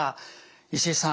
石井さん